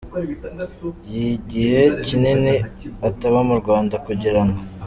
y’igihe kinini ataba mu Rwanda kugirango.